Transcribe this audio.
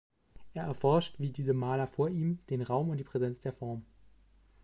Er erforscht, wie diese Maler vor ihm, den Raum und die Präsenz der Form.